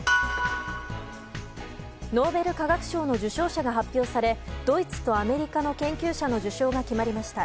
ノーベル化学賞の受賞者が発表されドイツとアメリカの研究者の受賞が決まりました。